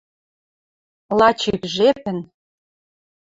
Лач ик жепӹн —